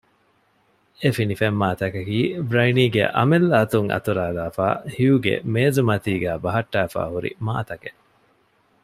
އެ ފިނިފެންމާތަކަކީ ބްރައިނީގެ އަމިއްލަ އަތުން އަތުރައިލައިފައި ހިޔުގެ މޭޒުމަތީގައި ބަހައްޓައިފައި ހުރި މާތަކެއް